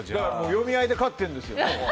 読みあいで勝ってるんですよ。